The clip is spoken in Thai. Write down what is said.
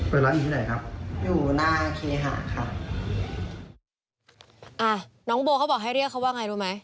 ร้านอยู่ที่ไหนครับอยู่หน้าเคหาค่ะอ่าน้องโบเขาบอกให้เรียกเขาว่าไงรู้ไหม